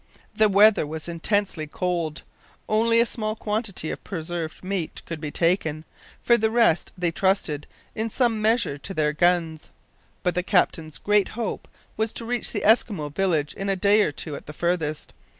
The weather was intensely cold. Only a small quantity of preserved meat could be taken for the rest, they trusted in some measure to their guns. But the captain's great hope was to reach the Eskimo village in a day or two at the farthest.